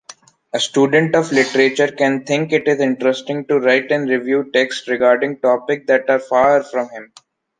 A student of Literature can think it is interesting to write and review texts regarding topic that are far from him.